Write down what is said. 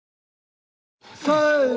せの！